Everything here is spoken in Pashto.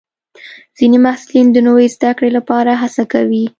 ځینې محصلین د نوي زده کړې لپاره هڅه کوي.